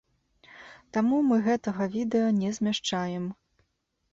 Таму мы гэтага відэа не змяшчаем.